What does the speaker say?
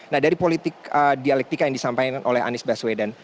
nah dari politik dialektika yang disampaikan oleh anies baswedan